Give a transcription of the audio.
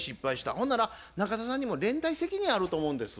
ほんなら中田さんにも連帯責任あると思うんです。